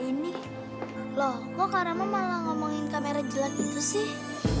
ini loh gue karena malah ngomongin kamera jelat itu sih